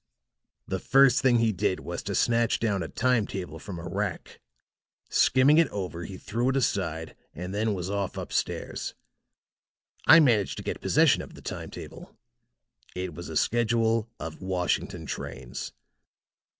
The first thing he did was to snatch down a time table from a rack; skimming it over he threw it aside and then was off up stairs. I managed to get possession of the time table; it was a schedule of Washington trains.